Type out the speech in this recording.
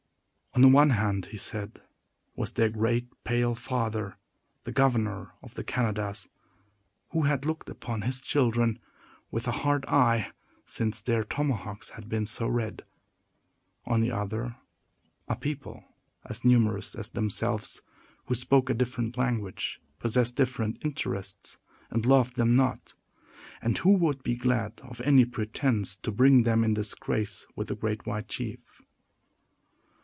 On the one hand, he said, was their great pale father, the governor of the Canadas, who had looked upon his children with a hard eye since their tomahawks had been so red; on the other, a people as numerous as themselves, who spoke a different language, possessed different interests, and loved them not, and who would be glad of any pretense to bring them in disgrace with the great white chief.